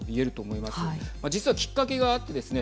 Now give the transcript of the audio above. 実はきっかけがあってですね